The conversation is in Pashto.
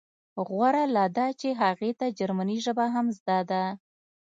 غوره لا دا چې هغې ته جرمني ژبه هم زده ده